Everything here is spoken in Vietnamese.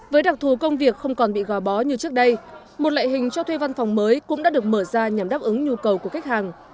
với đặc thù công việc không còn bị gò bó như trước đây một loại hình cho thuê văn phòng mới cũng đã được mở ra nhằm đáp ứng nhu cầu của khách hàng